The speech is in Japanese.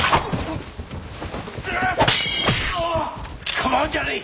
構うんじゃねえ。